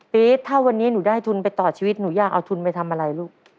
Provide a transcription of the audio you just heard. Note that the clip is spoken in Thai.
ปี๊ดถ้าวันนี้หนูได้ทุนไปต่อชีวิตหนูอยากเอาทุนไปทำอะไรลูก